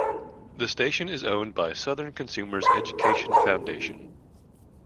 The station is owned by Southern Consumers Education Foundation.